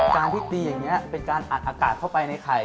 การที่ตีอย่างนี้เป็นการอัดอากาศเข้าไปในไข่